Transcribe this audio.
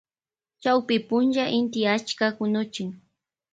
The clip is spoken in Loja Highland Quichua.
Chawpy punlla inti achka kunuchin.